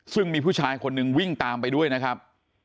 ซึ่งมีผู้ชายคนหนึ่งวิ่งตามไปด้วยนะครับ